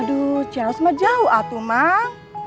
aduh ciraos mah jauh atuh mang